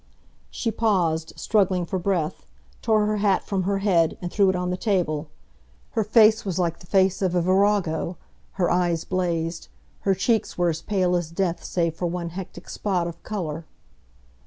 She paused, struggling for breath, tore her hat from her head and threw it on the table. Her face was like the face of a virago, her eyes blazed, her cheeks were as pale as death save for one hectic spot of colour.